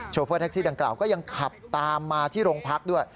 โฟเฟอร์แท็กซี่ดังกล่าวก็ยังขับตามมาที่โรงพักด้วย